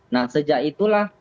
nah sejak itulah